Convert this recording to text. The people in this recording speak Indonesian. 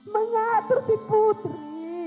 mengatur si putri